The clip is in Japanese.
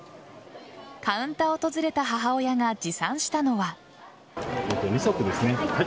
カウンターを訪れた母親が持参したのは。